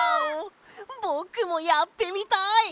ぼくもやってみたい！